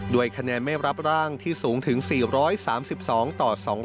คะแนนไม่รับร่างที่สูงถึง๔๓๒ต่อ๒๐